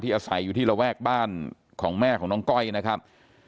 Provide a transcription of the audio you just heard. อาศัยอยู่ที่ระแวกบ้านของแม่ของน้องก้อยนะครับ